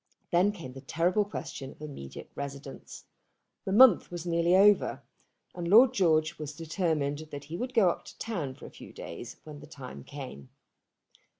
Then came the terrible question of an immediate residence. The month was nearly over, and Lord George had determined that he would go up to town for a few days when the time came.